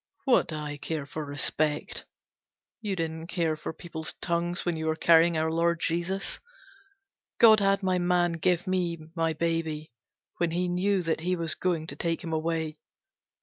What do I care for respect! You didn't care for people's tongues when you were carrying our Lord Jesus. God had my man give me my baby, when He knew that He was going to take him away.